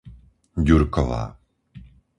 Ďurková